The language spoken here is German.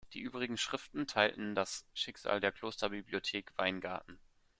Die übrigen Schriften teilten das Schicksal der Klosterbibliothek Weingarten.